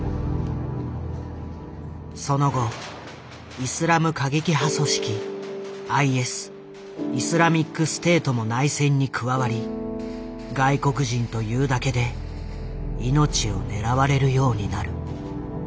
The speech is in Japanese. その後イスラム過激派組織ＩＳイスラミックステートも内戦に加わり外国人というだけで命を狙われるようになる。